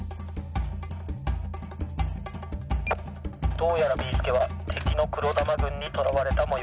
「どうやらビーすけはてきのくろだまぐんにとらわれたもよう。